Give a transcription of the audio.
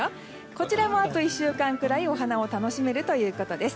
こちらもあと１週間くらいお花を楽しめるということです。